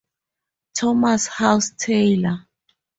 Thomas House Taylor.